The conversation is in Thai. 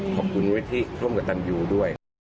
ขอบคุณไว้ที่ร่วมกับตันอยู่ด้วย